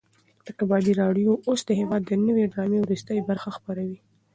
د کبابي راډیو اوس د هېواد د نوې ډرامې وروستۍ برخه خپروي.